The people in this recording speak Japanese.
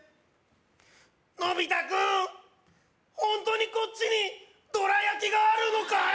のび太くんホントにこっちにどら焼きがあるのかい？